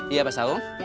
iya pak saung